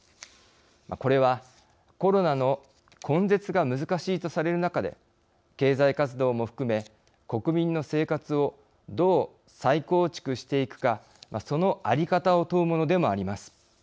これは、コロナの根絶が難しいとされる中で経済活動も含め国民の生活をどう再構築していくかその在り方を問うものでもあります。